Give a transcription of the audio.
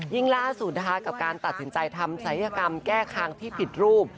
ยิ่งล่าสูตรกับการตัดสินใจทำศัยกรรมแก้ครั้งที่ผิดรูป